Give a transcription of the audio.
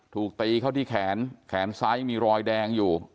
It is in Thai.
ถูกตีเข้าที่แขนแขนซ้ายยังมีรอยแดงอยู่